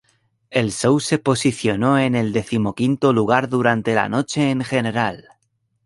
El show se posicionó en el decimoquinto lugar durante la noche en general.